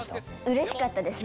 うれしかったです